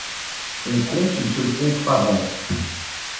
On compte une seule ponte par an.